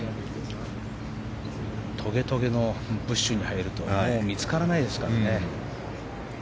とげとげブッシュに入るともう、見つからないですからね。